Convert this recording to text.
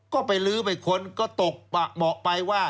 ก็ไปลื้อไปค้นก็ตกบอกไปว่า